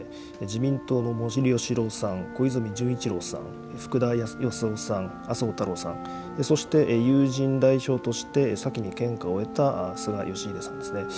自民党の森喜朗さん、小泉純一郎さん、福田康夫さん、麻生太郎さん、そして友人代表として、先に献花を終えた菅義偉さんですね。